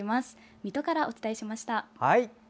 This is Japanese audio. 水戸からお伝えしました。